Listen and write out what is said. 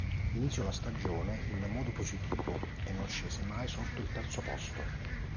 Iniziò la stagione in modo positivo e non scese mai sotto il terzo posto.